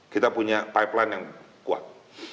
kita punya pipeline yang kuat